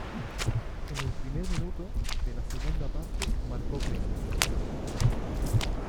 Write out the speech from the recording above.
En el primer minuto, de la segunda parte marcó Crespo.